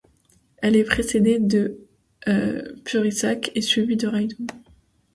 Elle est précédée de Þurisaz et suivie de Raidō.